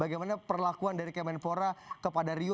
bagaimana perlakuan dari kemenpora kepada rio